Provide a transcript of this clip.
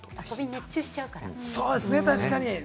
熱中しちゃうから。